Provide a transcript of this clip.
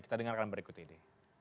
kita dengarkan berikut ini